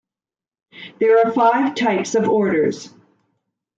There are five types of orders.